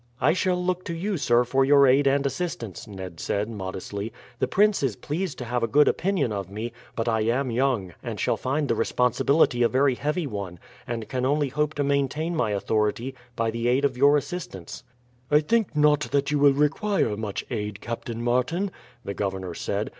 "I shall look to you, sir, for your aid and assistance," Ned said modestly. "The prince is pleased to have a good opinion of me; but I am young, and shall find the responsibility a very heavy one, and can only hope to maintain my authority by the aid of your assistance." "I think not that you will require much aid, Captain Martin," the governor said.